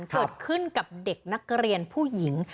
เกิดขึ้นกับเด็กนักเรียนผู้หญิง